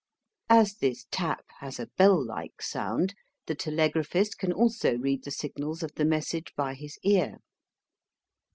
As this tap has a bell like sound, the telegraphist can also read the signals of the message by his ear.